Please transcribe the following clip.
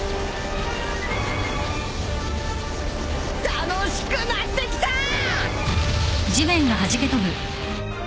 楽しくなってきたぁ！